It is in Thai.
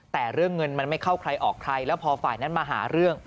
แต่เรื่องเงินมันไม่เข้าใครออกใครแล้วพอฝ่ายนั้นมาหาเรื่อง